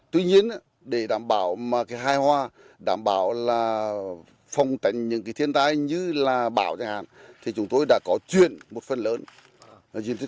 tuy nhiên để đảm bảo hai hoa đảm bảo phòng tạnh những thiên tai như bão chúng tôi đã có chuyện một phần lớn